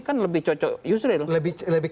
kan lebih cocok yusril lebih